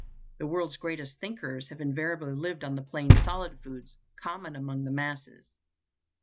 The world's greatest thinkers have invariably lived on the plain solid foods common among the masses.